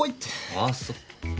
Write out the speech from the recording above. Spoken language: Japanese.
ああそう。